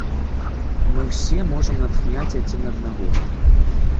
Мы ўсе можам натхняць адзін аднаго.